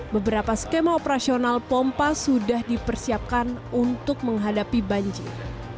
beberapa skema operasional pompa sudah dipersiapkan untuk menghadapi banjir